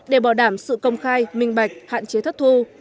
để bảo đảm sự công khai minh bạch hạn chế thất thu